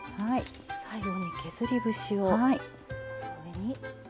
最後に削り節を上に。